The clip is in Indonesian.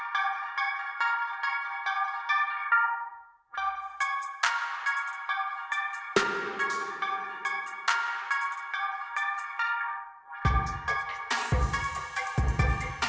jangan meng sandal bagian setan bisa dit peek